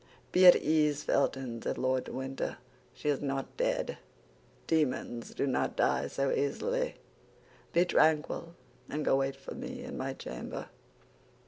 "Be at ease, Felton," said Lord de Winter. "She is not dead; demons do not die so easily. Be tranquil, and go wait for me in my chamber."